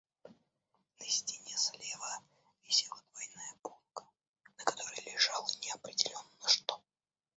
На стене слева висела двойная полка, на которой лежало неопределенно что.